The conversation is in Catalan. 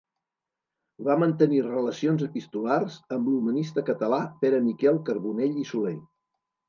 Va mantenir relacions epistolars amb l'humanista català Pere Miquel Carbonell i Soler.